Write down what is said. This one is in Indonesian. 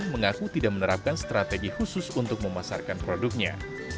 mengaku tidak menerapkan strategi khusus untuk memasarkan produknya